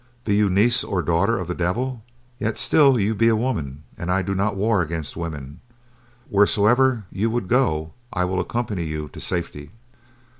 Be you niece or daughter of the devil, yet still you be a woman, and I do not war against women. Wheresoever you would go will I accompany you to safety."